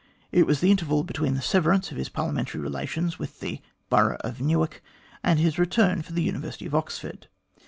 It was the interval between the severance of his parliamentary relations with the borough of Newark and his return for the University of Oxford.